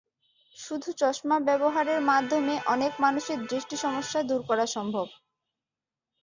শুধু চশমা ব্যবহারের মাধ্যমে অনেক মানুষের দৃষ্টি সমস্যা দূর করা সম্ভব।